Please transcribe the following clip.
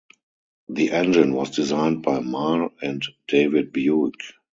The engine was designed by Marr and David Buick.